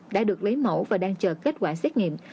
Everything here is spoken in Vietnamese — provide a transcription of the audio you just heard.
đã được lấy mẫu và đang chờ kết quả xét nghiệm